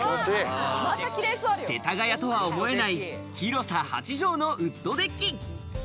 世田谷とは思えない広さ８畳のウッドデッキ。